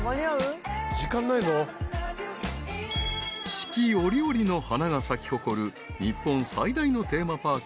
［四季折々の花が咲き誇る日本最大のテーマパーク］